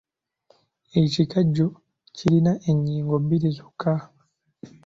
Ekikajjo kirina ennyingo bbiri zokka.